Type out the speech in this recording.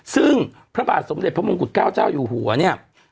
ซึ่งพระบาทสมเด็จพระมงกุฎเกล้าเจ้าอยู่หัวเนี่ย